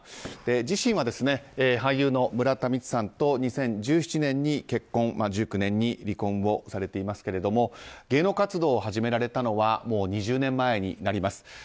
自身は俳優の村田充さんと２０１７年に結婚、１９年に離婚をされていますけれども芸能活動を始められたのはもう２０年前になります。